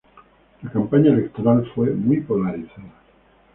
La campaña electoral fue muy polarizada.